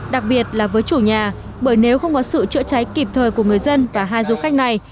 đặc biệt là với chủ nhà bởi nếu không có sự chữa cháy kịp thời của người dân và hai du khách này